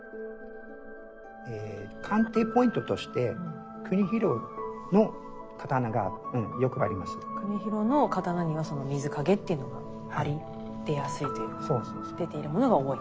鑑定ポイントとして国広の刀にはその水影っていうのがあり出やすいというか出ているものが多い？